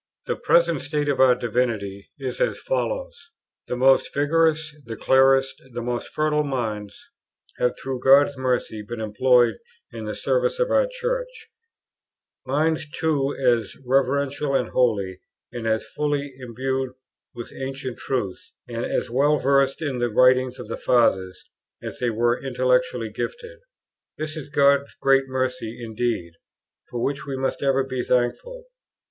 The present state of our divinity is as follows: the most vigorous, the clearest, the most fertile minds, have through God's mercy been employed in the service of our Church: minds too as reverential and holy, and as fully imbued with Ancient Truth, and as well versed in the writings of the Fathers, as they were intellectually gifted. This is God's great mercy indeed, for which we must ever be thankful.